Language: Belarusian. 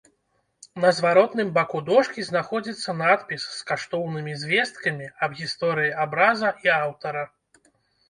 На зваротным баку дошкі знаходзіцца надпіс з каштоўнымі звесткамі аб гісторыі абраза і аўтара.